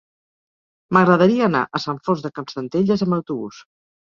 M'agradaria anar a Sant Fost de Campsentelles amb autobús.